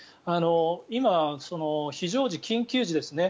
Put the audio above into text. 今、非常時、緊急時ですね。